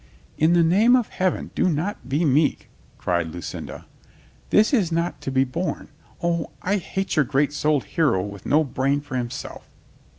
"In the name of Heaven, do not be meek," cried Lucinda. "That is not to be borne. O, I hate your great souled hero with no brain for himself."